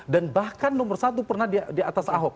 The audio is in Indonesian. dan bahkan nomor satu pernah di atas ahok